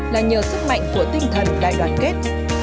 là nhờ sức mạnh của tinh thần đại đoàn kết